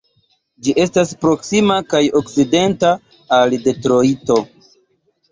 Ĝi estas proksima kaj okcidenta al Detrojto.